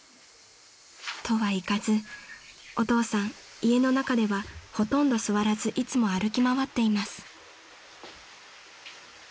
［とはいかずお父さん家の中ではほとんど座らずいつも歩き回っています］